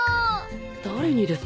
誰にですか？